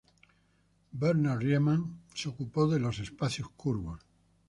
Bernhard Riemann se ocupó de los espacios curvos.